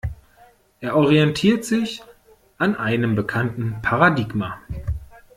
Er orientiert sich an einem bekannten Paradigma.